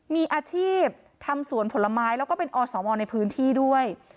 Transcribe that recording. มีอาชีพทำสวนผลไม้แล้วก็เป็นอสมในพื้นที่ด้วย